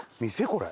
これ。